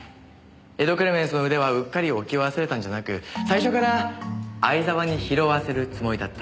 『エド・クレメンスの腕』はうっかり置き忘れたんじゃなく最初から相沢に拾わせるつもりだった。